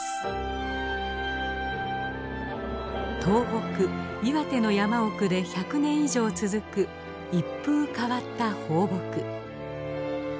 東北岩手の山奥で１００年以上続く一風変わった放牧。